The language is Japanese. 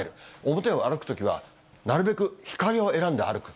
表を歩くときは、なるべく日陰を選んで歩く。